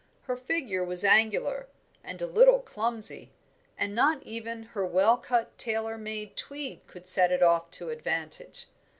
Her figure was angular, and a little clumsy, and not even her well cut tailor made tweed could set it off to advantage.